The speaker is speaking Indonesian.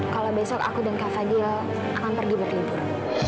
kalau besok aku dan kak fadil akan pergi berlibur